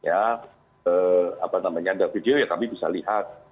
apa namanya ada video ya kami bisa lihat